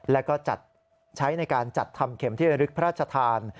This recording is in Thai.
แล้วก็จัดใช้ในการจัดทำเข็มที่ระลึกพระราชทาน